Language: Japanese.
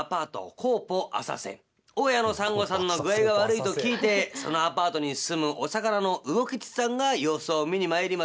大家のサンゴさんの具合が悪いと聞いてそのアパートに住むお魚のうおきちさんが様子を見に参りますと。